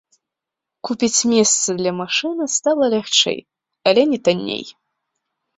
Купіць месца для машыны стала лягчэй, але не танней.